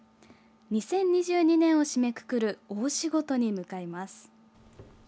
２０２２年を締めくくる大仕事に向かいます。